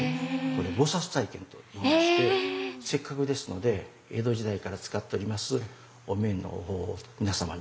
これ菩体験といいましてせっかくですので江戸時代から使っておりますえ！